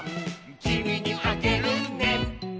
「きみにあげるね」